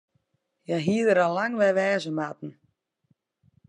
Hja hie der al lang wer wêze moatten.